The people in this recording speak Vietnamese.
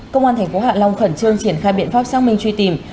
công an thành phố hạ long khẩn trương triển khai biện pháp xác minh truy tìm